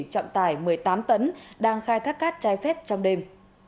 trọng tải một mươi tám tấn đang khai thác cát trái phép trong đêm